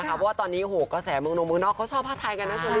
เพราะว่าตอนนี้กระแสเมืองนอกเค้าชอบผ้าไทยกันนะจุลิ